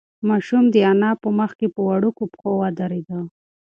ماشوم د انا په مخ کې په وړوکو پښو ودرېد.